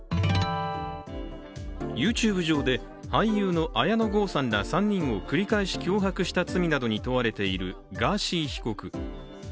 ＹｏｕＴｕｂｅ上で俳優の綾野剛さんら３人を繰り返し脅迫した罪などに問われているガーシー被告。